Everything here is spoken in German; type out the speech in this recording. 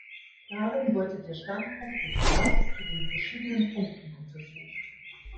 Darin wurde der Standpunkt des Rates zu den verschiedenen Punkten untersucht.